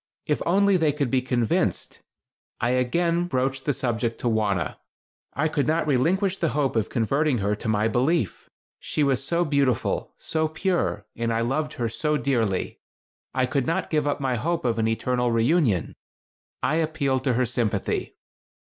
If only they could be convinced. I again broached the subject to Wauna. I could not relinquish the hope of converting her to my belief. She was so beautiful, so pure, and I loved her so dearly. I could not give up my hope of an eternal reunion. I appealed to her sympathy.